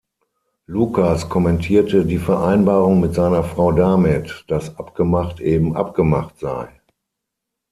Lucas kommentierte die Vereinbarung mit seiner Frau damit, dass abgemacht eben abgemacht sei.